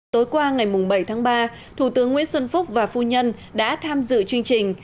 tối qua ngày bảy tháng ba thủ tướng nguyễn xuân phúc và phu nhân đã tham dự chương trình